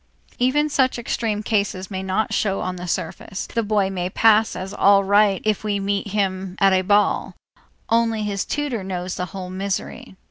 Even such extreme cases may not show on the surface. The boy may pass as all right if we meet him at a ball; only his tutor knows the whole misery.